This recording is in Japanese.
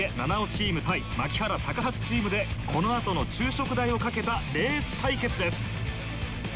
チーム対槙原・高橋チームでこのあとの昼食代を賭けたレース対決です。